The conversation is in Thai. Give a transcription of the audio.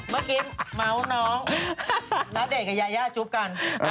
เมื่อกี้เมาส์น้องณเดชน์กับยายาจุ๊บกัน